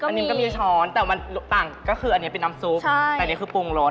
อันนี้ก็มีช้อนเป็นน้ำซุปอันนี้คือผงรส